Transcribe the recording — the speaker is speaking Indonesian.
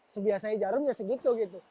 sebiasanya jarum ya segitu gitu